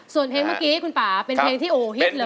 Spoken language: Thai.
ส่วนเพลงเมื่อกี้คุณป่าเป็นเพลงที่โอ้ฮิตเลย